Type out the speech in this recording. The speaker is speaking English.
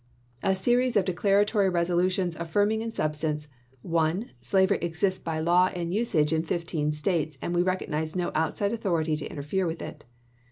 A series of declaratory resolutions, affirming in substance : 1. Slavery exists by law and usage in fifteen States, and we recognize no outside authority to interfere with it.